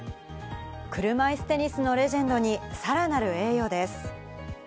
車いすテニスのレジェンドにさらなる栄誉です。